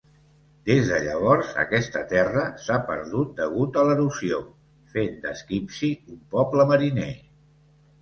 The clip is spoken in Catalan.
Des de llavors, aquesta terra s'ha perdut degut a l'erosió, fent de Skipsea un poble mariner.